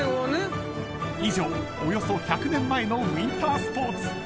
［以上およそ１００年前のウインタースポーツ］